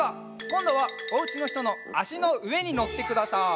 こんどはおうちのひとのあしのうえにのってください。